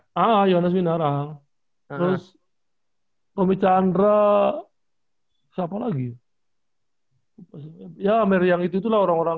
iya yones minar ahang terus tommy chandra siapa lagi ya mary yang itu lah orang orang